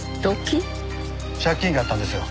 借金があったんですよ。